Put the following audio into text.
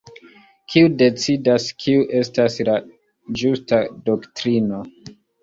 Kiu decidas kiu estas la "ĝusta" doktrino?